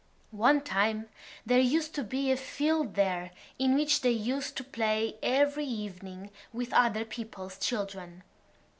One time there used to be a field there in which they used to play every evening with other people's children.